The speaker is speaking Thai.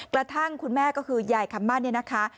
กระทั่งคุณแม่ก็คือใหญ่ขับบ้านนี้นะคะ